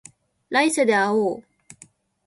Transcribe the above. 来世で会おう